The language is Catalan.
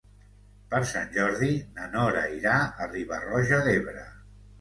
Per Sant Jordi na Nora irà a Riba-roja d'Ebre.